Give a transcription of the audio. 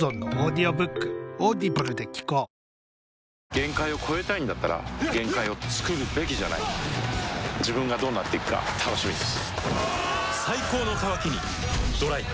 限界を越えたいんだったら限界をつくるべきじゃない自分がどうなっていくか楽しみです